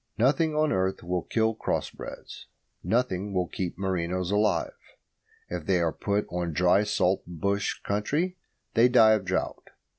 Nothing on earth will kill cross breds; nothing will keep merinos alive. If they are put on dry salt bush country they die of drought.